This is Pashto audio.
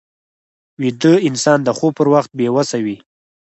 ویده انسان د خوب پر وخت بې وسه وي